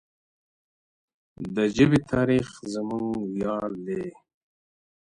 د ژبې تاریخ زموږ ویاړ دی.